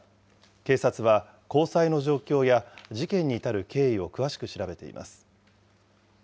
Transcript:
警察は交際の状況や事件に至る経緯を詳しく調べています。